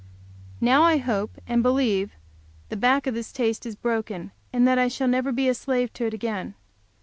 Now I hope and believe the back of this taste is broken, and that I shall never be a slave to it again.